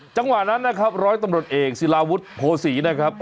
จังหวะนั้นนะครับร้อยตำรวจเอกศิลาวุฒิโภษีนะครับ